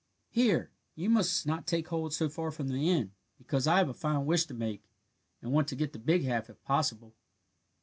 "Here, you must not take hold so far from the end, because I have a fine wish to make, and want to get the big half if possible."